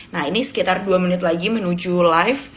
nah ini sekitar dua menit lagi menuju live